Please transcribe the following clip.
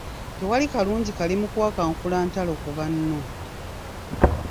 Tewali kalungi kali mu kuwakankula ntalo ku banno.